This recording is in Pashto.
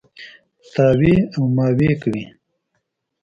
تاوې او ماوې کوي.